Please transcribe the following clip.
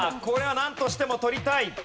これはなんとしても取りたい。